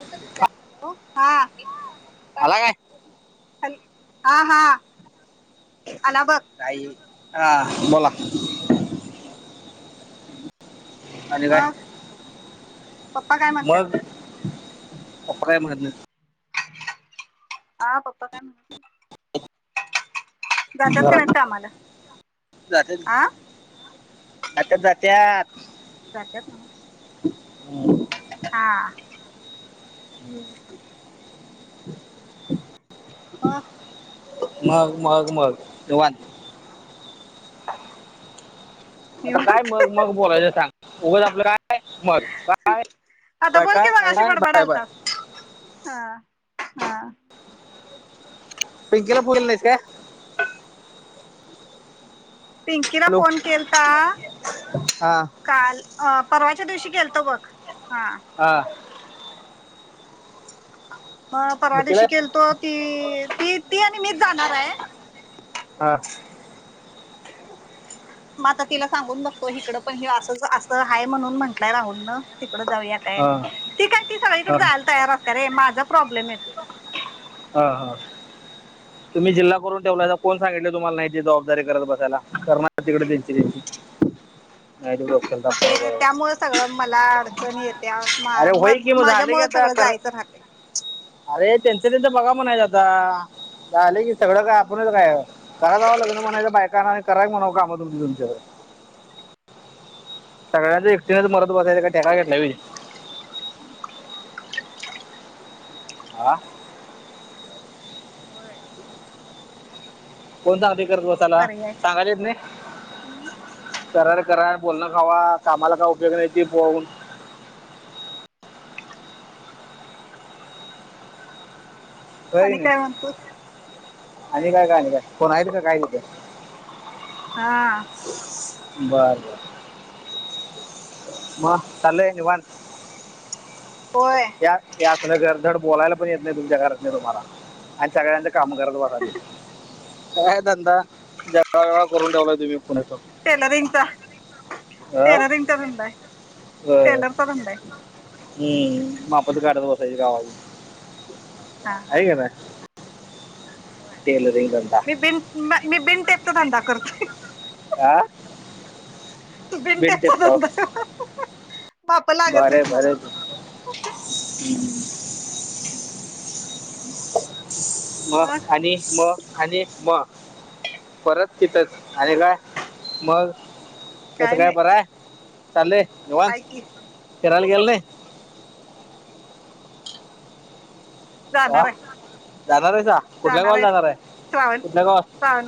[unintelligible] हा. अला काय? हा हा अला बग. काई आ बोला. आणि काय पप्पा काय म्हणतात मग पप्पा काय म्हणत् नाहीत. हा प्पपा काय म्हण का घरात नाहीत कामाला जात्यात कि. तात्या जात्यात. जात्यात न्हव हा. [inaudible] मग मग मग मग ते वाच आता काय निवांत मग मग बोलायचं सांग उगच आपलं काय मग काय आता काय बोल की काय मगाशी [unintelligible] बडबड बाय बाय आलतास हा हा. पिंकीला पुल नाही स काय? पिंकीला हॅलो फोन केलता. हा काल परवाच्या दिवशी केलतो बघ हा. हा. मग परवादेशी केलतो ती ती ती आणि मीच जाणार हाय. हा. मग आता तिला सांगून बघतो हिकडं पण हे असंच असं आहेय म्हणून म्हंटलंय राहुल न तिकडं जाऊया. हा ती काय ती सगळीकड हा जायला तयार असत्या रे माझा प्रॉब्लेम येतोय. हा हा. [inaudible] तुम्ही जिल्हा करून ठेवलायसा कोण सांगितलय तुम्हाला नाही ते जबाबदारी करत बसायला करणात का तिकड तेंच तेंची. [inaudible] हाईत बघ. मग ते त्यामुळच सगळं मला अडचण येत्या अरे मग होय मद की मग माझ्या झालं की मुळ आता सगळं कर जायचं राहतय. अरे त्यांचं त्यांचं बघा म्हणायचं आता झाल की सगळं काय आपणच काय? करा जावा लग्न म्हणायच बायकां आना आणि कराकी म्हणाव कामं तुमची तुमचं - सगळ्यांच एकटीनच मरत बसायचं काय ठेका घेतलाय होय. [inaudible] आं होय. कोण सांगतंय करत बसायला पर्याय सांगायला येत न्हई. हम्म करार करा बोलणं खावा कामाला काय उपयोग नाहीती पउन [inaudible] होय आणि कणी. काय म्हणतो आणि होय काय काय आणि कोण हायत का काय तिथ. हां. बरं बर मग चाललय निवांत. होय. ह्या ह्या असलं घरधड बोलायला पण येत नाही तुमच्या घरात नाही तुम्हाला आणि सगळ्यांच कामगारात वाली काय धंदा जगा वेगळा करून ठेवलाय तुम्ही पुणे कर टेलरिंगचा पुण्यात टेलरिंगचा धंदा हाय टेलरचा धंदा हाय. हम्म मापच काढत बसायची गावाची. हां हां. वय होय टेलरिंग धंदा मी मी बिनटेपचाधंदा करत आह बीन टेकता टेपटॉप धंदा बाप लागत भारीय नाहीत मला भारीत हम म मग आणि म आणि म परत तिथच आलेला मग तसं काय बरय चाललेय निवांत हाय की मग फिरायला गेला नाही ह जाणार आहे दादा रसा कुठल्या गावाला जाणार आहे श्रावण कुठल्या श्रावण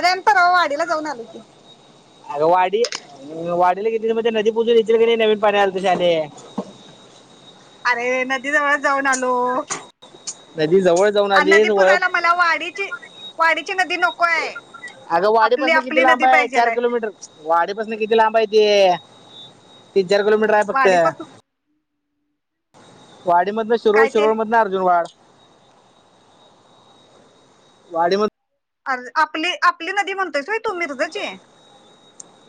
आम्ही परवा वाडीला जाऊन आलो की अग वाडी वाडीला घेतली मग ते नदी पुजून घेततील की नाही नवीन पाणी आलत शाने अरे नदी जवळच जाऊन आलो नदी जवळ जाऊन आ आली नदी वळ पूजायला मला वाडीची वाडीची नदी नको आहे अगं वाडीपसून किती लांब आहे चार किलोमीटर वाडीपासून किती लांब आहे ते तीन चार किलोमीटर आहे फक्त वाडीपसून वाडी मधून शिरोळ काय ते शिरोळ मधन अर्जुनवाड वाडी मधनं आपली नदी म्हणतोयस व्हय तू मिरजेची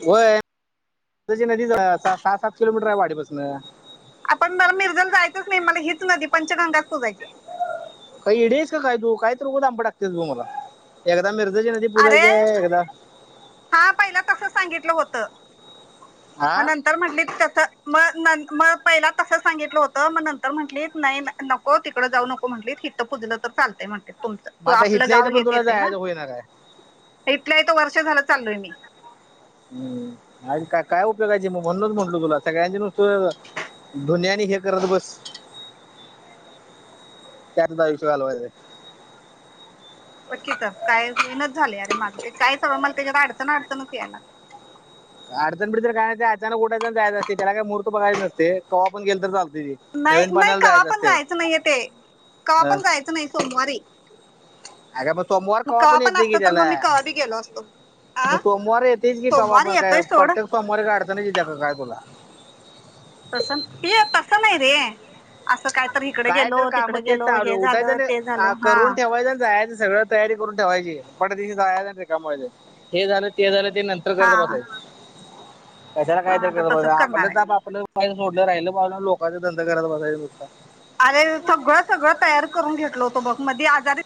होय नदी सहा सात किलोमीटर आहे वाडीपासून आपण मला मिरजेला जायचं नाही मला हेच पंचगंगाच नदी पुजायचे काही इडीस काय तू काय तर र उगं दथांब टाकतेस तू मला एकदा मिर्जाची नदी अरे पुजायची आहे एकदा हा पहिला तस सांगितलं होत हा म्हण म्हटली तस म म पहिला तसं सांगितलं होतं मग नंतर म्हटली नाही नको तिकडं जाऊ नको म्हटलीत हिथं पुजलं तर चालतंय म्हटते तुमच मग तू आता आपलं इथल्या गाव इथं पण घेत तुला येते ना जायचं होईना काय इथल्या इथं वर्ष झालं चाललोय मी हम आणि का काय उपयोगायची मग म्हणणच म्हंटल तुला सगळ्यांचे नुसत धोनी आणि हे करत बस [inaudible] त्यात आयुष्य घालवल्यास बक्की तर काय मेहनत झाली अरे माग ते काय सवळ मला त्याच्यात अडचण अडचणच यायलाग अडचण गडचण काय नसते ते अचानक उठायचं जायचं त्याला काय मुहूर्त करतो बघायचा नसतो कवा पण गेलं तर चालते ते नाही नाही कावा्हा पण जायचं नाहीय ते कवा्हा अं, पण जायचं नाही सोमवारी अगं मग सोमवार मग कवा पण कवाली येते असते की तर त्याला मी कवा बी गेलो असतो आ मग सोमवार येतेच की का बा सोमवारी आपण काय येतोय सोड प्रत्येक सोमवारी अडचणच येत्या काय तुला ते तसं नाही रे असं कायतरी काय तर काम तेच चालु उठायचं न झालं हा करून ठेवायचं जायच. सगळ तयारी करून ठेवायची पट दिशि जा ते कमवायच हे झालं ते झालं ते नं. हा करत बसायच कशाला हा काहीतरी आता करत तसच करणार आपलं आप आहे आपलं.. पायल सोडलं राहिलं पावलं लोकचाधंद कराया बसायला नुस... अरे सगळं सगळं तयार करून घेतल होतो बघ मध आजारी...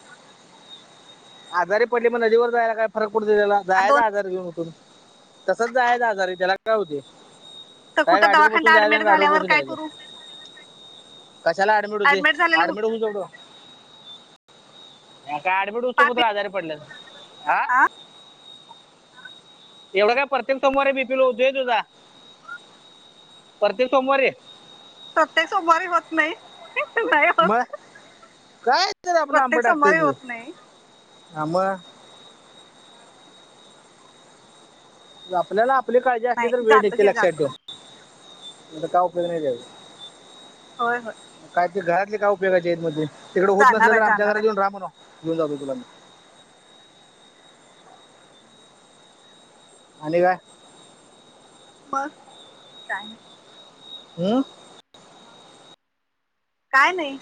आजारी पडले पन नदिवर जायला काय फरक पडत त्याला जाय दोन आजार घेऊन. तसच आहे आजारी त्याला काय होते तर काय कुठं गाडीवर बसून दवाखान्यात जायच आणि ऍडमिट गाडीवर झाल्यावर बसून काय यायचं करू कशाला ऍडमिट होतोय एडमिन नको होऊ मग काय ऍडमिट होतो का पाक तु आजारी पडल्यावर. हा [inaudible] एवढं काय प्रत्येक सोमवारी बीपी लो होते वय तुझा. प्रत्येक सोमवारी. प्रत्येक सोमवारी होत नाही. म होत काय तर आपल प्रत्येक लांबड सोमवारी टाकत्याती. होत नाही हा मग [inaudible] आपल्याला आपली काळजी असली नाही तर वेळ जातो देते. घे लक्षात जातो ठेवा. आता काही उपयोग नाही त्याचा. होय होय. काय ते घरातले काय उपयोगाचे आहेत मग. तिकडे होत जाणार नसेल तर आहे आमच्या जाणार घरात आहे येऊन राह म्हणाव‌. घेऊन जातो तुला मी. आणि काय बस हम्म काय नाही.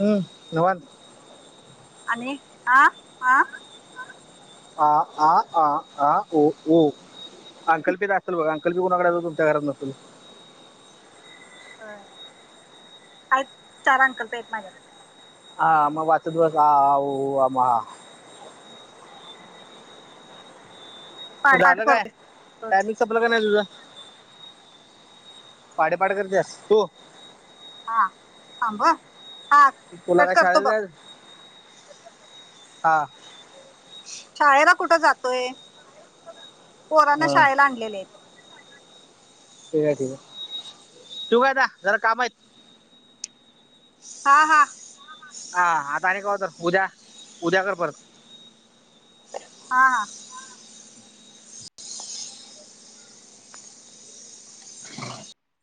हम्म नवान आणि आ आ आ आ आ आ ओ ओ अंकल्पित असतल बघा. अंकलीपी कोणाकडे तुमच्या घरात नसल. आहेत. चार अंक लिपी आहेत माझ्याकडे. हा मग वाचत बसा. आ ऊ आम अहा. पाठपाठ झालं काय करते रोज टायमिंग संपल काय नाही तुझा. पाडे पाढ करतीया तु. हा थांब हा तुला कट काय करतो शाळेला बघ जायच. हा शाळेला कुठे जातोय? पोरांना हा शाळेला आणलेले. ठीक आहे-ठीक आहे, ठेऊ कां आता? जरा काम आहेत. हा हा हा आता आणि केव्हा तर उद्या उद्या कर परत. हा हा